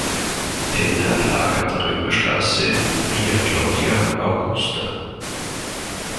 Tenna lag an der Römerstraße Via Claudia Augusta.